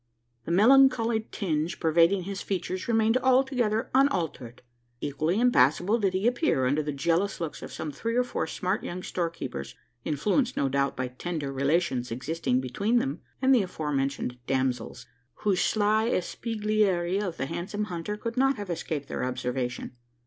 The melancholy tinge pervading his features remained altogether unaltered. Equally impassible did he appear under the jealous looks of some three or four smart young storekeepers influenced, no doubt, by tender relations existing between them and the aforementioned damsels, whose sly espieglerie of the handsome hunter could not have escaped their observation.